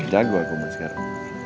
jago aku sekarang